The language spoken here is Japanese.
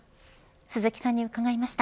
鈴木さんに伺いました。